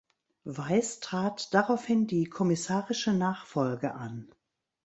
Weiss trat daraufhin die kommissarische Nachfolge an.